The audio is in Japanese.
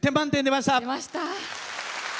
出ました。